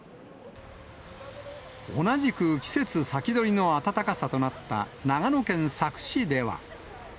同じく季節先取りの暖かさとなった長野県佐久市では。